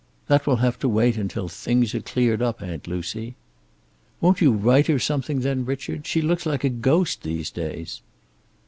"That will have to wait until things are cleared up, Aunt Lucy." "Won't you write her something then, Richard? She looks like a ghost these days."